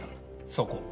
そこ。